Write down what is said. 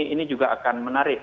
ini juga akan menarik